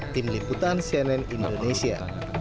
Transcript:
tim liputan cnn indonesia